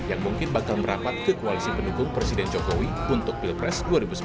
yang mungkin bakal merapat ke koalisi pendukung presiden jokowi untuk pilpres dua ribu sembilan belas